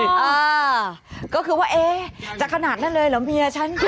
อ่าก็คือว่าเอ๊ะจะขนาดนั้นเลยเหรอเมียฉัน